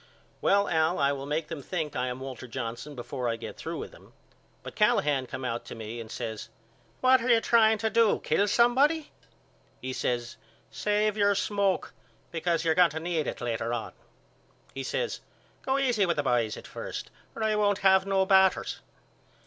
Well Al I will make them think I am Walter Johnson before I get through with them. But Callahan come out to me and says What are you trying to do kill somebody? He says Save your smoke because you're going to need it later on. He says Go easy with the boys at first or I won't have no batters.